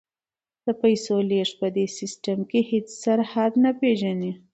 د پیسو لیږد په دې سیستم کې هیڅ سرحد نه پیژني.